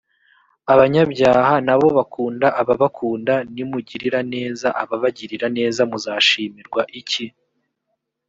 abanyabyaha na bo bakunda ababakunda nimugirira neza ababagirira neza muzashimirwa iki‽